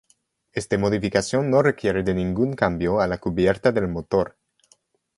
Este modificación no requiere de ningún cambio a la cubierta del motor.